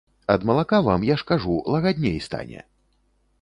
Ад малака вам, я ж кажу, лагадней стане.